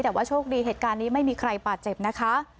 แต่ว่าโชคดีเหตุการณ์นี้ไม่มีใครบาดเจ็บนะคะ